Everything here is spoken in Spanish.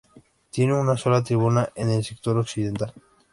Tiene una sola tribuna en el sector occidental.